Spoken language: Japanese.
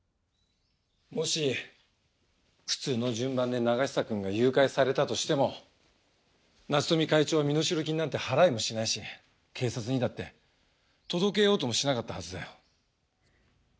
もし普通の順番で永久くんが誘拐されたとしても夏富会長は身代金なんて払いもしないし警察にだって届けようともしなかったはずだよ。